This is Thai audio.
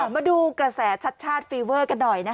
มาดูกระแสชัดชาติฟีเวอร์กันหน่อยนะคะ